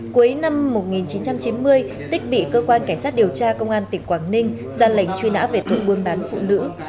cuối năm một nghìn chín trăm chín mươi tích bị cơ quan cảnh sát điều tra công an tỉnh quảng ninh ra lệnh truy nã về tội buôn bán phụ nữ